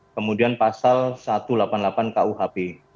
kemudian pasal satu ratus delapan puluh delapan kuhp